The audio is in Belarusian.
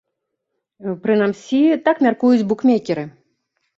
Прынамсі, так мяркуюць букмекеры.